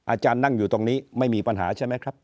อาจารย์นั่งอยู่ตรงนี้ไม่มีปัญหาใช่ไหมครับ